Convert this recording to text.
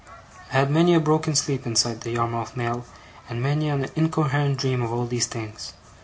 I had many a broken sleep inside the Yarmouth mail, and many an incoherent dream of all these things.